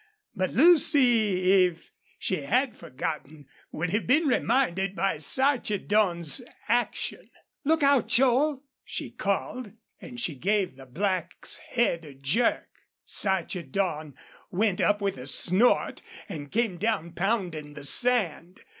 But Lucy, if she had forgotten, would have been reminded by Sarchedon's action. "Look out, Joel!" she called, and she gave the black's head a jerk. Sarchedon went up with a snort and came down pounding the sand.